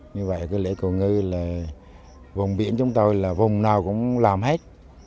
như vậy cái lễ cầu ngư là vùng biển chúng tôi là vùng nào cũng làm hết